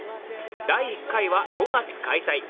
第１回は５月開催。